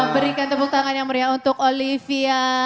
berikan tepuk tangan yang meriah untuk olivia